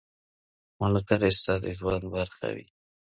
ملګری ستا د ژوند برخه وي.